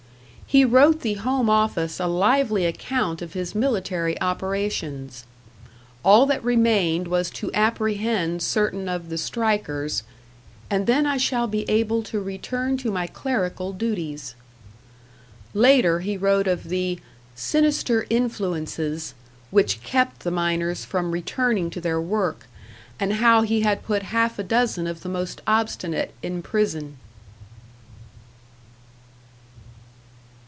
He wrote the Home Office a lively account of his military operations. All that remained was to apprehend certain of the strikers, "and then I shall be able to return to my Clerical duties." Later he wrote of the "sinister influences" which kept the miners from returning to their work, and how he had put half a dozen of the most obstinate in prison.